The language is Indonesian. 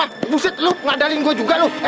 wah buset lu ngadalin gua juga lu